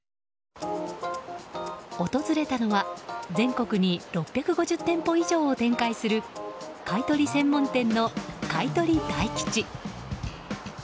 訪れたのは全国に６５０店舗以上を展開する買い取り専門店の買取大吉。